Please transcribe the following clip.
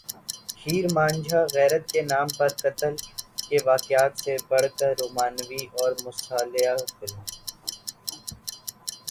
ہیر مان جا غیرت کے نام پر قتل کے واقعات سے بڑھ کر رومانوی اور مصالحہ فلم